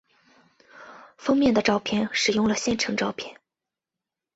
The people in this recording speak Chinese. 封面照片使用了现成照片。